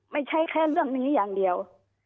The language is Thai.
ไม่ใช่แค่เรื่องนี้อย่างเดียว